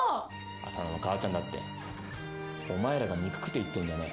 「浅野の母ちゃんだってお前らが憎くて言ってんじゃねえ」